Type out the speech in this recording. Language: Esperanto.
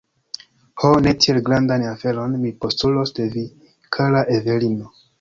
Ho, ne tiel grandan oferon mi postulos de vi, kara Evelino!